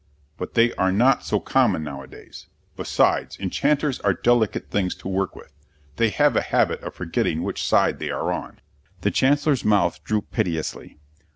But they are not so common nowadays. Besides, enchanters are delicate things to work with. They have a habit of forgetting which side they are on." The Chancellor's mouth drooped piteously.